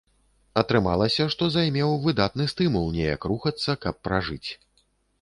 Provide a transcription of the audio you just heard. Атрымалася, што займеў выдатны стымул неяк рухацца, каб пражыць.